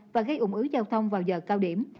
và gây ủng ứ giao thông vào giờ cao điểm